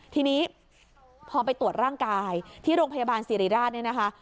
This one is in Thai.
ทีนี้พอไปตรวจร่างกายที่โรงพยาบาลสิริราชเนี่ยนะคะ